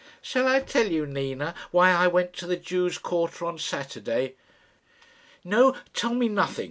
"Shall I tell you, Nina, why I went to the Jews' quarter on Saturday?" "No; tell me nothing.